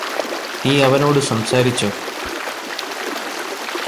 നീയവനോട് സംസാരിച്ചോ